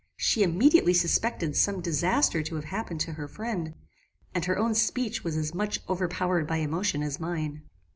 She immediately suspected some disaster to have happened to her friend, and her own speech was as much overpowered by emotion as mine.